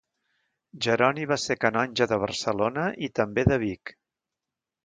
Jeroni va ser canonge de Barcelona i també de Vic.